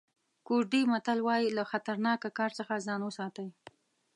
کوردي متل وایي له خطرناکه کار څخه ځان وساتئ.